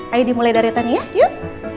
ayo dimulai dari tadi ya yuk